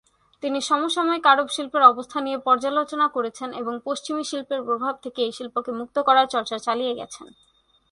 তিনি সমসাময়িক আরব শিল্পের অবস্থা নিয়ে পর্যালোচনা করেছেন এবং পশ্চিমী শিল্পের প্রভাব থেকে এই শিল্পকে মুক্ত করার চর্চা চালিয়ে গেছেন।